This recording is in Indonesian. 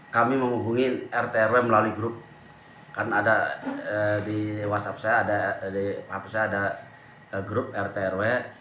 kami menghubungi rtrw melalui grup kan ada di whatsapp saya ada grup rtrw